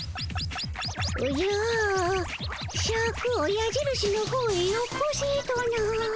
おじゃシャクをやじるしのほうへよこせとな？